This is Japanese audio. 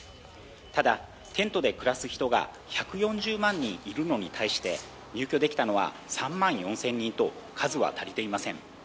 ただ、テントで暮らす人が１４０万人いるのに対して入居できたのは３万４０００人と数は足りていません。